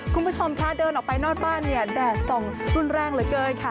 คุณผู้ชมคะเดินออกไปนอกบ้านเนี่ยแดดส่องรุนแรงเหลือเกินค่ะ